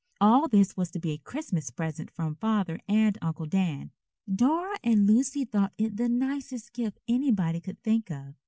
All this was to be a Christmas present from Father and Uncle Dan. Dora and Lucy thought it the nicest gift anybody could think of.